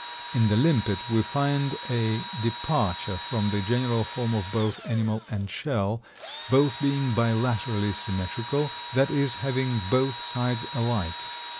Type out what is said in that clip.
In the limpet we find a departure from the general form of both animal and shell, both being bilaterally symmetrical, that is, having both sides alike.